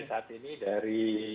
saat ini dari